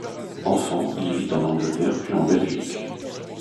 Enfant, il vit en Angleterre, puis en Belgique.